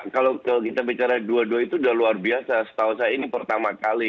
kalau kita bicara dua dua itu sudah luar biasa setahu saya ini pertama kali